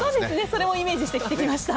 それをイメージして着てきました。